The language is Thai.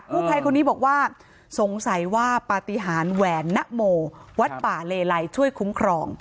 ผู้ภัยคนนี้บอกว่าสงสัยว่าปฏิหารแหวนนโมวัดป่าเลไลช่วยคุ้มครอง